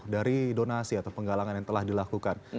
dari donasi atau penggalangan yang telah dilakukan